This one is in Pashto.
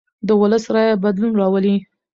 د ولس رایه بدلون راولي